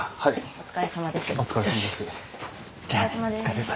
お疲れさまです。